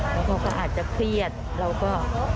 แล้วเขาก็อาจจะเครียดเราก็